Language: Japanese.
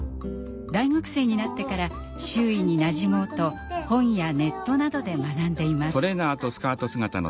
大学生になってから周囲になじもうと本やネットなどで学んでいます。